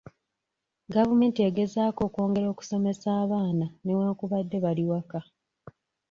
Gavumenti egezaako okwongera okusomesa abaana newankubadde bali waka